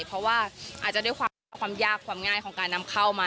เพราะว่าอาจจะด้วยความยากความง่ายของการนำเข้ามา